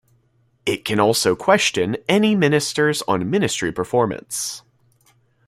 It can also question any ministers on ministry performance.